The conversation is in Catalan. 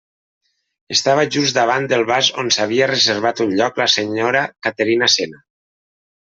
Estava just davant del vas on s'havia reservat un lloc la senyora Caterina Cena.